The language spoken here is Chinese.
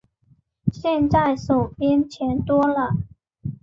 现在手边钱多了